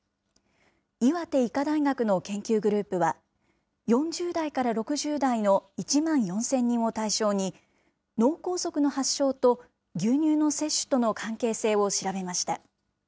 岩手医科大学の研究グループは、４０代から６０代の１万４０００人を対象に、脳梗塞の発症と牛乳の摂取との関係性を調べました。